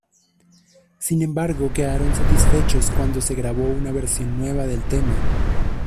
Sin embargo, quedaron satisfechos cuando se grabó una versión nueva del tema.